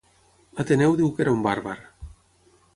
Ateneu diu que era un bàrbar.